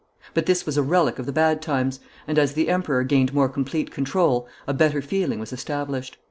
But this was a relic of the bad times, and, as the Emperor gained more complete control, a better feeling was established.